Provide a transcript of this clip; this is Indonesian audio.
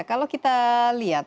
kalau kita lihat